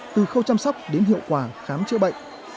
từ khâu chăm sóc đến hiệu quả khám chữa